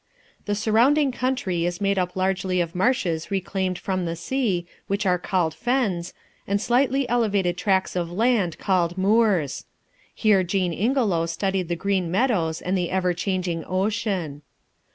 The surrounding country is made up largely of marshes reclaimed from the sea, which are called fens, and slightly elevated tracts of land called moors. Here Jean Ingelow studied the green meadows and the ever changing ocean.